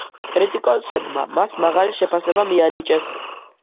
კრიტიკოსებმა მას მაღალი შეფასება მიანიჭეს.